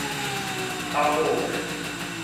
Hamoocj.